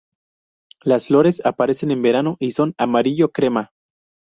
Las flores aparecen en verano y son amarillo crema.